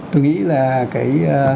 tôi nghĩ là cái